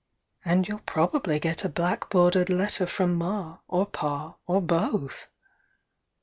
And you'll probably get a black bordered letter from Ma, or Pa, or both!"